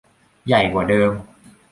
ใหญ่กว่าเดิม